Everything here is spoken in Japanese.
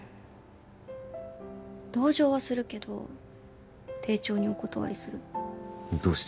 同情はするけど丁重にお断りするどうして？